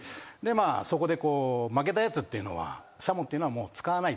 そこで負けたやつっていうのはシャモっていうのは使わない。